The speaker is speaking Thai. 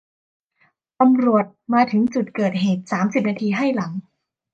ตำรวจมาถึงจุดเกิดเหตุสามสิบนาทีให้หลัง